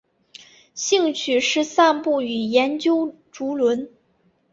兴趣是散步与研究竹轮。